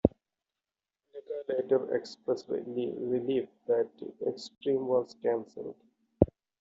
Naka later expressed "relief" that "X-treme" was cancelled.